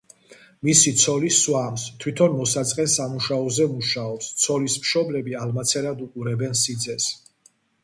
მისი ცოლი სვამს, თვითონ მოსაწყენ სამუშაოზე მუშაობს, ცოლის მშობლები ალმაცერად უყურებენ სიძეს.